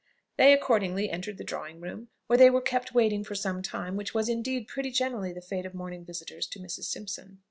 They accordingly entered the drawing room, where they were kept waiting for some time, which was indeed pretty generally the fate of morning visitors to Mrs. Simpson.